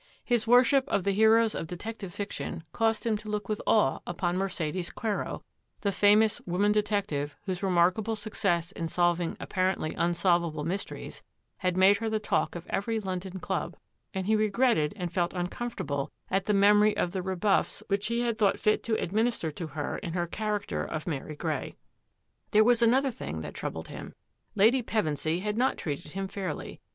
His worship of the heroes of detective fiction caused him to look with awe upon Mercedes Quero, the famous woman detec tive, whose remarkable success in solving appar ently unsolvable mysteries had made her the talk of every London club, and he regretted and felt uncomfortable at the memory of the rebuffs which he had thought fit to administer to her in her character of Mary Grey. There was another thing that troubled him. Lady Pevensy had not treated him fairly.